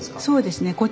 そうですね。